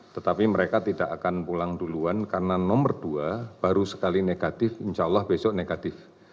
tetapi mereka tidak akan pulang duluan karena nomor dua baru sekali negatif insya allah besok negatif